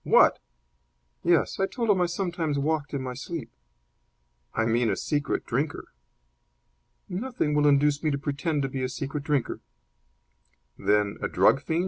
"What!" "Yes; I told him I sometimes walked in my sleep." "I mean a secret drinker." "Nothing will induce me to pretend to be a secret drinker." "Then a drug fiend?"